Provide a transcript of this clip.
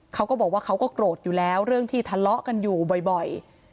เขาก็บอกว่าเขาก็โกรธอยู่แล้วเรื่องที่ทะเลาะกันอยู่บ่อย